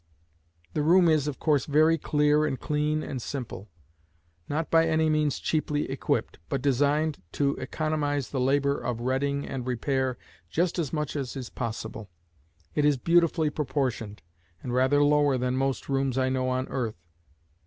The room is, of course, very clear and clean and simple; not by any means cheaply equipped, but designed to economise the labour of redding and repair just as much as is possible. It is beautifully proportioned, and rather lower than most rooms I know on earth.